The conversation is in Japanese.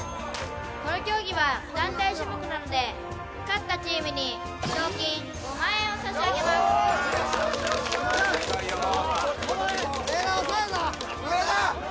この競技は団体種目なので勝ったチームに賞金５万円を差し上げますよしよしよしよし・植田！